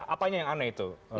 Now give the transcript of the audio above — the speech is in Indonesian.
apanya yang aneh itu